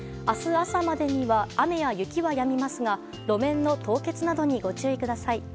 明日朝には雪や雨がやみますが路面の凍結などにご注意ください。